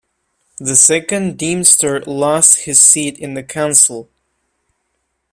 The Second Deemster lost his seat in the Council.